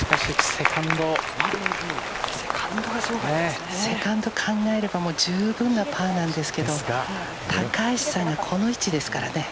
セカンドを考えるとじゅうぶんなパーなんですけど高橋さんがこの位置ですからね。